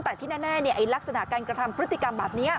แต่ที่แน่ลักษณะการกระทำพฤติกรรมแบบนี้